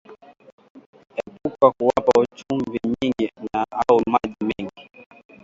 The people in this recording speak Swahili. Epuka kuwapa chumvi nyingi na au maji mengi